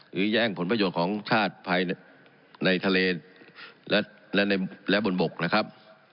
หรือแย่งผลประโยชน์ของชาติภายในทะเลและและในและบนบกนะครับ